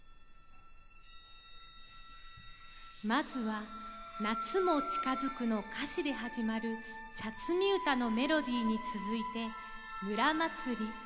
まずは「夏も近づく」の歌詞で始まる茶摘み歌のメロディーに続いて「村祭」。